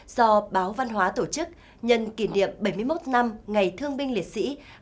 do báo văn hóa tổ chức nhân kỷ niệm bảy mươi một năm ngày thương binh liệt sĩ